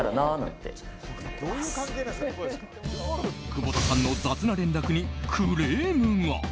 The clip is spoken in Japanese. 久保田さんの雑な連絡にクレームが。